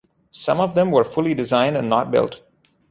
Some of them were fully designed and not built.